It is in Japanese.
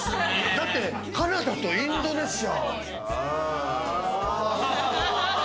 だって、カナダとインドネシア。